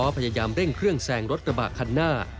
พยายามเร่งเครื่องแซงรถกระบะคันหน้า